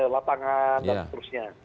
lapangan dan seterusnya